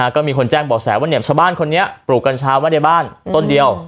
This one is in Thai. ก็มีคนแจ้งบอกแสว่าชาวบ้านคนนี้ปลูกกัญชาไว้ในบ้านต้นเดียว